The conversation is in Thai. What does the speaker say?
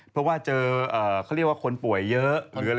เพราะว่ามีเจอคนป่วยเยอะ